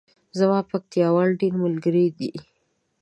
زما پکتیاوال ډیر ملګری دی